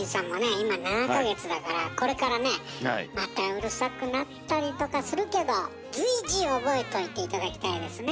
今７か月だからこれからねまたうるさくなったりとかするけど随時覚えといて頂きたいですね。